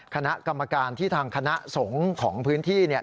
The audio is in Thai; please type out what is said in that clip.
คณะกรรมการที่ทางคณะสงฆ์ของพื้นที่เนี่ย